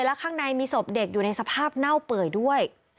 และข้างในมีศพเด็กอยู่ในสภาพเน่าเปื่อยด้วย